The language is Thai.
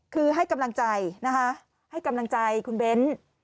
คือให้กำลังใจนะคะให้กำลังใจคุณเบ้น